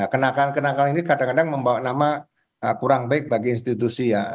kenakan kenakalan ini kadang kadang membawa nama kurang baik bagi institusi ya